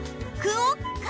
クオッカ。